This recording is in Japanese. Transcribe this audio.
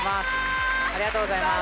ありがとうございます。